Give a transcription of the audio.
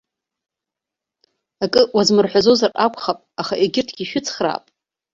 Акы уазмырҳәазозар акәхап, аха егьырҭгьы шәыцхраап.